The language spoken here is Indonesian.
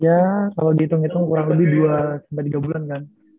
ya kalau dihitung hitung kurang lebih dua tiga bulan kan